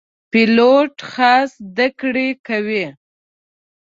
پیلوټ خاص زده کړې کوي.